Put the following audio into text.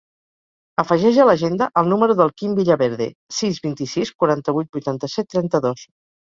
Afegeix a l'agenda el número del Quim Villaverde: sis, vint-i-sis, quaranta-vuit, vuitanta-set, trenta-dos.